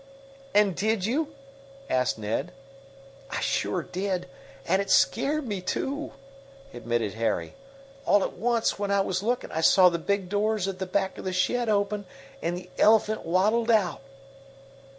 "And did you?" asked Ned. "I sure did! And it scared me, too," admitted Harry. "All at once, when I was lookin', I saw the big doors at the back of the shed open, and the elephant waddled out."